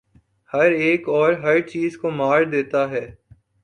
ہر ایک اور ہر چیز کو مار دیتا ہے